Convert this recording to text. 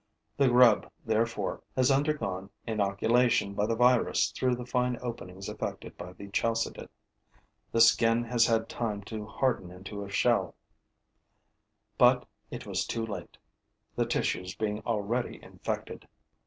The grub, therefore, has undergone inoculation by the virus through the fine openings effected by the Chalcidid. The skin has had time to harden into a shell; but it was too late, the tissues being already infected.